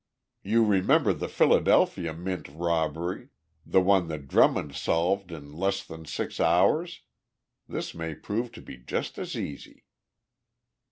You remember the Philadelphia mint robbery the one that Drummond solved in less than six hours? This may prove to be just as easy."